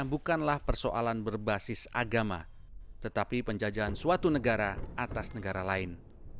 bukanlah persoalan berbasis agama tetapi penjajahan suatu negara atas negara lain